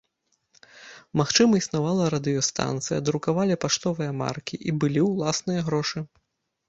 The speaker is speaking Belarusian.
Магчыма існавала радыёстанцыя, друкавалі паштовыя маркі і былі ўласныя грошы.